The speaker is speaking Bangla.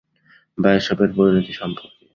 বা এসবের পরিণতি সম্পর্কে।